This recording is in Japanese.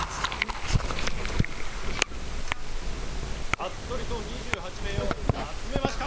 服部党２８名を集めました！